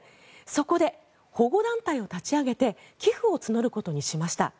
そこで保護団体を立ち上げて寄付を募ることにしました。